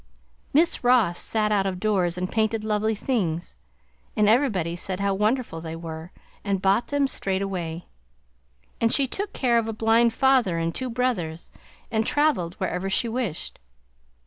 Miss Ross sat out of doors and painted lovely things, and everybody said how wonderful they were, and bought them straight away; and she took care of a blind father and two brothers, and traveled wherever she wished.